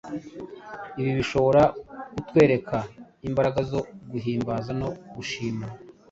Ibi bishobora kutwereka imbaraga zo guhimbaza no gushima,